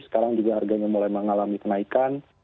sekarang juga harganya mulai mengalami kenaikan